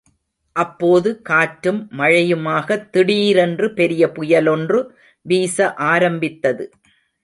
அப்போது காற்றும் மழையுமாகத் திடீரென்று பெரிய புயலொன்று வீச ஆரம்பித்தது.